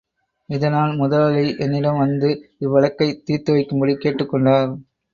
இதனால் முதலாளி என்னிடம் வந்து இவ்வழக்கைத் தீர்த்துவைக்கும்படி கேட்டுக்கொண்டார்.